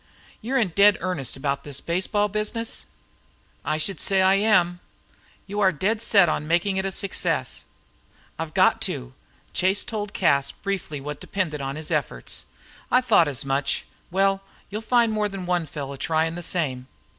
"You're in dead earnest about this baseball business?" "I should say I am." "You are dead set on making it a success?" "I've got to." Chase told Cas briefly what depended on his efforts. "I thought as much. Well, you'll find more than one fellow trying the same.